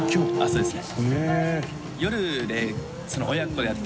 そうですね。